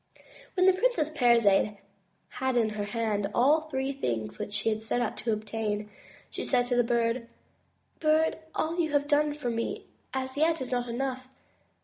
When the Princess Parizade had in her hand all the three things which she had set out to obtain, she said to the Bird: "Bird, all you have done for me as yet is not enough.